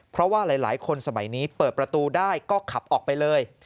เพราะว่าหลายคนสมัยนี้เปิดประตูได้ก็ขับออกไปเลย